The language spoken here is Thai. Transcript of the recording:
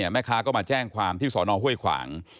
แม่ค้าก็มาแจ้งความที่สอนอห้วยขวาง